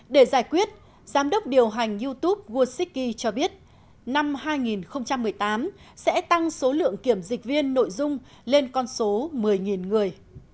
để giải quyết giám đốc điều hành youtube wosicky cho biết năm hai nghìn một mươi tám sẽ tăng số lượng kiểm dịch viên nội dung lên con số một mươi người